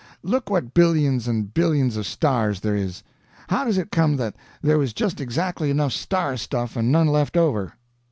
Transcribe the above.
Look what billions and billions of stars there is. How does it come that there was just exactly enough star stuff, and none left over?